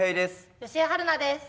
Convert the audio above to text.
吉江晴菜です。